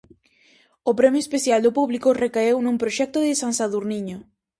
O premio especial do público recaeu nun proxecto de San Sadurniño.